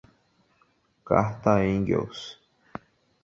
Carta a Engels